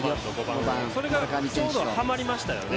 それがちょうどはまりましたよね。